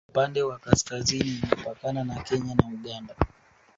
upande wa kaskazini imepakana na kenya na uganda